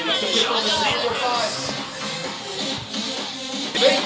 เอาเพลง